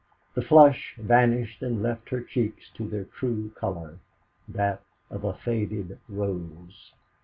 The flush vanished and left her cheeks to their true colour, that of a faded rose.